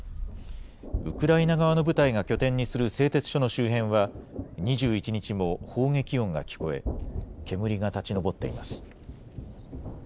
ウクライナ側の部隊が拠点にする製鉄所の周辺は、２１日も砲撃音が聞こえ、煙が立ち上っています。